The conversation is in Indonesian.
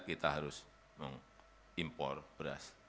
kita harus mengimpor beras